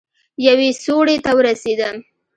يوې سوړې ته ورسېدم.